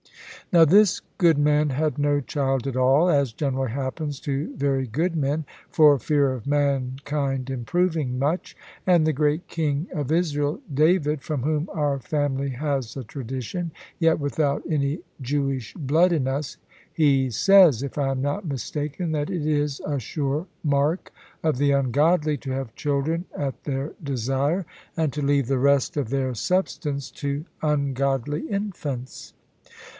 Now this good man had no child at all, as generally happens to very good men, for fear of mankind improving much. And the great king of Israel, David, from whom our family has a tradition yet without any Jewish blood in us he says (if I am not mistaken) that it is a sure mark of the ungodly to have children at their desire, and to leave the rest of their substance to ungodly infants.